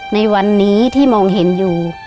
ในวันนี้ที่มองเห็นอยู่